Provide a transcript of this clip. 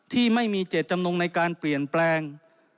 ที่ไม่มีเจตจำนงในการเปลี่ยนแปลง